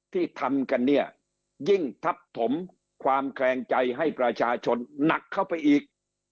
ที่ทำกันเนี่ยยิ่งทับถมความแคลงใจให้ประชาชนหนักเข้าไปอีก